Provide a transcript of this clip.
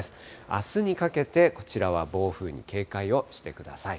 あすにかけて、こちらは暴風に警戒をしてください。